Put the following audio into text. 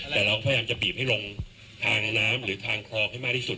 แต่เราพยายามจะบีบให้ลงทางน้ำหรือทางคลองให้มากที่สุด